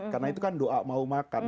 karena itu kan doa mau makan